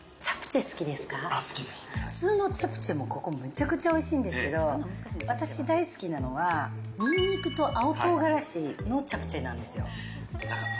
普通のチャプチェもめちゃくちゃ美味しいんですけれども、私が大好きなのがニンニクと青唐辛子のチャプチェなんですよ。